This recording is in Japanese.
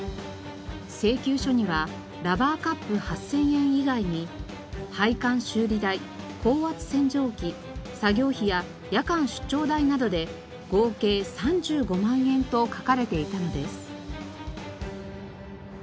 請求書にはラバーカップ８０００円以外に配管修理代高圧洗浄機作業費や夜間出張代などで合計３５万円と書かれていたのです。